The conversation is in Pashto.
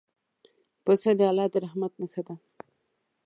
پسه د الله د رحمت نښه ده.